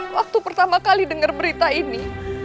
waktu pertama kali dengar berita ini